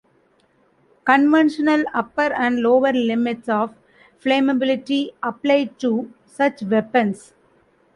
Conventional upper and lower limits of flammability apply to such weapons.